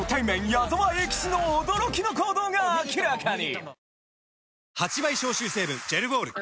矢沢永吉の驚きの行動が明らかに！